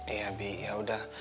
iya bi yaudah